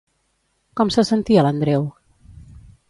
Com se sentia l'Andreu?